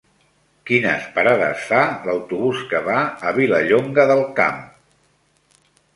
Quines parades fa l'autobús que va a Vilallonga del Camp?